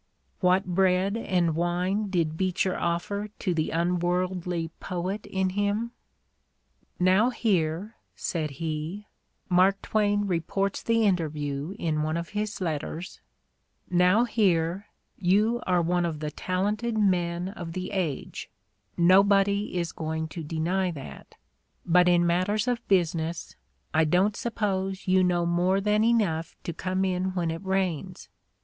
"What bread and wine did Beecher offer to the unworldly poet in him? "Now here," said he — Mark Twain re ports the interview in one of his letters, "now here, you are one of the talented men of the age — nobody is going to deny that — ^but in matters of business I don't suppose you know more than enough to come in when it rains.